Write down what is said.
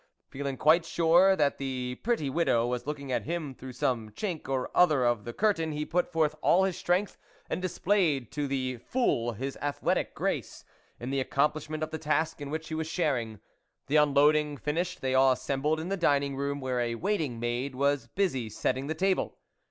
Feeling quite sure that the pretty widow was looking at him through some chink or other of the curtain, he put forth all his strength, and displayed to the full his athletic grace, in the accomplish ment of the task in which he was sharing. The unloading finished, they all assembled in the dining room where a waiting maid was busy setting the table.